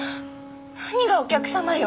何がお客さまよ！